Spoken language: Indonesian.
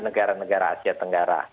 negara negara asia tenggara